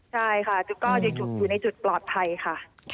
ใช่ค่ะก็เด็กอยู่ในจุดปลอดภัยค่ะ